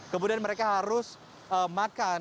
kemudian mereka harus makan